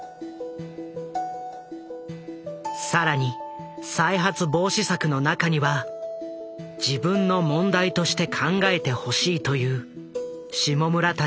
更に再発防止策の中には「自分の問題として考えてほしい」という下村たちの願いも盛り込まれていた。